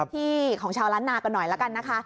ที่ของชาวล้านนากันหน่อยละกันนะคะ